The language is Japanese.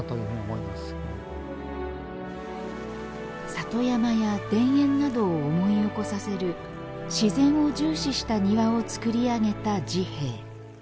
里山や田園などを思い起こさせる自然を重視した庭を造り上げた治兵衛。